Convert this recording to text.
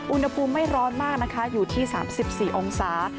อุณหภูมิไม่ร้อนมากนะคะอยู่ที่๓๔องศา